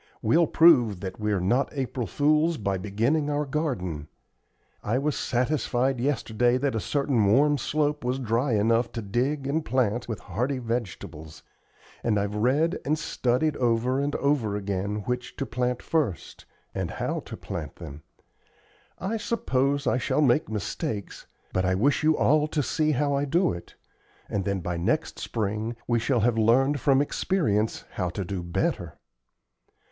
We'll prove that we are not April fools by beginning our garden. I was satisfied yesterday that a certain warm slope was dry enough to dig and plant with hardy vegetables, and I've read and studied over and over again which to plant first, and how to plant them. I suppose I shall make mistakes, but I wish you all to see how I do it, and then by next spring we shall have learned from experience how to do better.